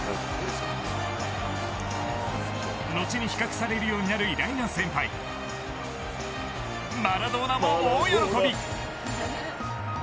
後に比較されるようになる偉大な先輩マラドーナも大喜び。